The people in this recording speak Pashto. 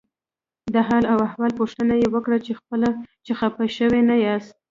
د حال او احوال پوښتنه یې وکړه چې خپه شوي نه یاست.